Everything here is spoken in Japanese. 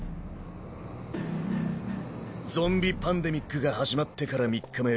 ゾンビ・パンデミックが始まってから３日目